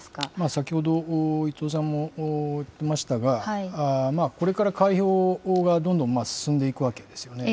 先ほど、伊藤さんも言ってましたが、これから開票がどんどん進んでいくわけですよね。